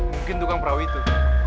mungkin tukang perahu itu